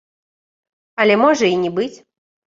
Але можа і не быць.